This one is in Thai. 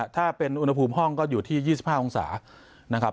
ถ้าเป็นอุณหภูมิห้องก็อยู่ที่๒๕องศานะครับ